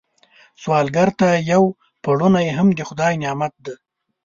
سوالګر ته یو پړونی هم د خدای نعمت دی